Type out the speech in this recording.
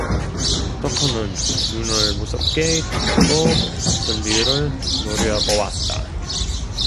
덕호는 눈을 무섭게 뜨고 선비를 노려보았다.